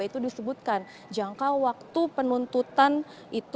itu disebutkan jangka waktu penuntutan itu